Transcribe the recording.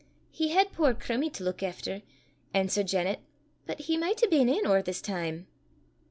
"He had puir Crummie to luik efter," answered Janet; "but he micht hae been in or this time."